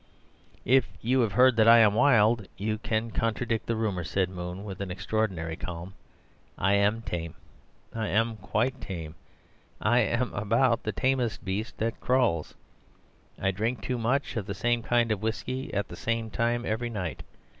"If you have heard that I am wild, you can contradict the rumour," said Moon, with an extraordinary calm; "I am tame. I am quite tame; I am about the tamest beast that crawls. I drink too much of the same kind of whisky at the same time every night.